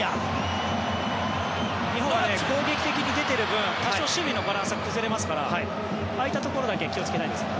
日本は攻撃的に出ている分多少、守備のバランスは崩れますからああいったところだけ気をつけたいですね。